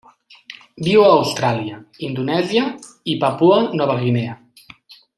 Viu a Austràlia, Indonèsia i Papua Nova Guinea.